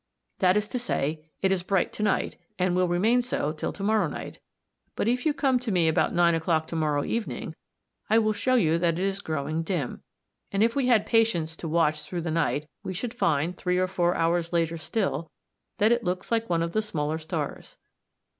That is to say, it is bright to night and will remain so till to morrow night, but if you come to me about nine o'clock to morrow evening I will show you that it is growing dim, and if we had patience to watch through the night we should find, three or four hours later still, that it looks like one of the smaller stars.